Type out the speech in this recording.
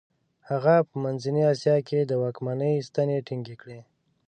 هغه په منځنۍ اسیا کې د واکمنۍ ستنې ټینګې کړې.